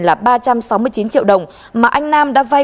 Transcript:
là ba trăm sáu mươi chín triệu đồng mà anh nam đã vay